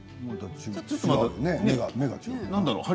目が違う。